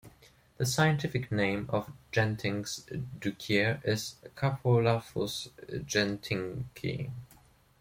The scientific name of Jentink's duiker is "Caphalophus jentinki".